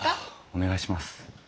お願いします。